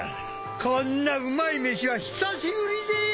こんなうまい飯は久しぶりぜよ。